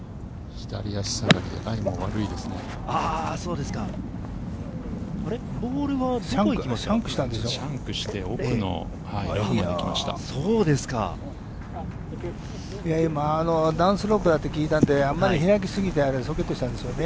左足下がりでライも悪いですね。